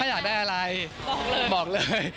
อยากได้อะไรบอกเลย